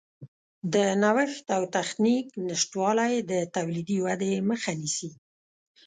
د نوښت او تخنیک نشتوالی د تولیدي ودې مخه نیسي.